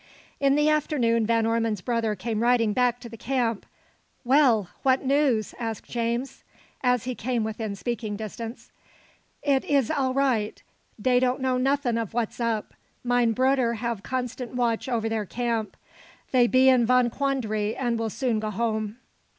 In the afternoon Van Ormon's brother came riding back to the camp. "Well! what news?" asked James, as he came within speaking distance. "It ish all right. Dey don't know nothing of what's up. Mine bruder have constant watch over their camp. They be in von quandary, and will soon go home."